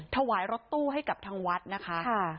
ถวายรถตู้ให้กับทางวัดนะคะ